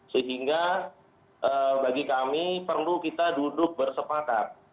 sehingga bagi kami perlu kita duduk bersepakat